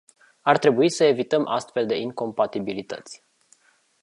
Ar trebui să evităm astfel de incompatibilități.